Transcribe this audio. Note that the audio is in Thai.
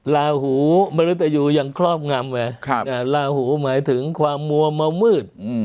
ลาหูมนุษยูยังครอบงำไงลาหูหมายถึงความมัวมามืด